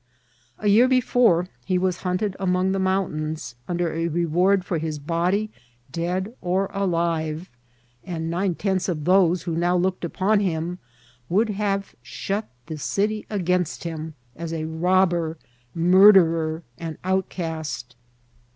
A year before he was hunted among the mountains, under a reward for his body, ^^ dead or alive,'' and nine tenths of those who now looked upon him would then have shut the city against him as a robber, murderer, and outcast.